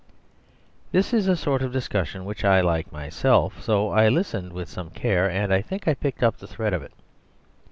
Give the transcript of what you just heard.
This is a sort of discussion which I like myself, so I listened with some care, and I think I picked up the thread of it.